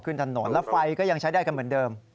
ขึ้นถนนแล้วไฟก็ยังใช้ได้กันเหมือนเดิม